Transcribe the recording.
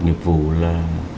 nhiệp vụ là